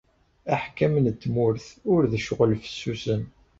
Aḥkam n tmurt ur d ccɣel fessusen.